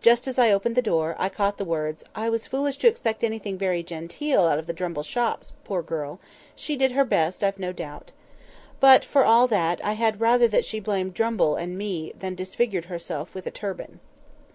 Just as I opened the door, I caught the words, "I was foolish to expect anything very genteel out of the Drumble shops; poor girl! she did her best, I've no doubt." But, for all that, I had rather that she blamed Drumble and me than disfigured herself with a turban.